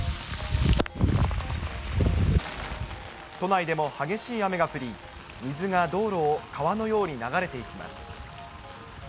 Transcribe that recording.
都内でも激しい雨が降り、水が道路を川のように流れていきます。